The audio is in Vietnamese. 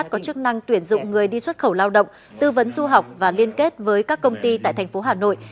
có chức năng tuyển dụng người đi xuất khẩu lao động tư vấn du học và liên kết với các công ty tại thành phố hà nội